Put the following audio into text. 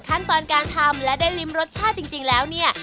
ขั้นตอนการทำและได้ริมรสชาติจริงแล้วเนี่ย